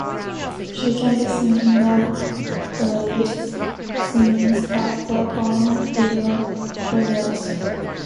She can be seen in the deleted scenes of the home video release.